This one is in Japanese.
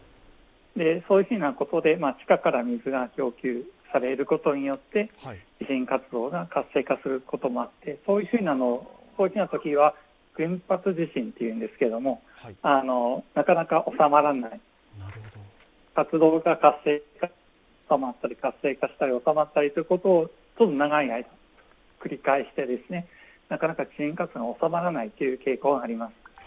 そういうふうなことで地下から水が供給されることによって地震活動が活性化することもあって、そういうふうなときは群発地震というんですけどなかなかおさまらない、活動が活性化したり、収まったりということを長い間繰り返してなかなか地震活動が収まらないという傾向があります